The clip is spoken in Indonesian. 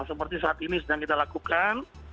seperti saat ini sedang kita lakukan